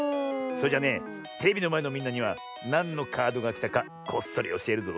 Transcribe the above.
それじゃねテレビのまえのみんなにはなんのカードがきたかこっそりおしえるぞ。